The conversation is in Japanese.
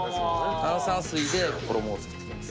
炭酸水で衣を作っていきます